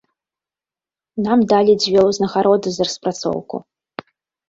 Нам далі дзве ўзнагароды за распрацоўку.